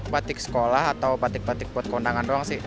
batik sekolah atau batik batik buat keundangan doang sih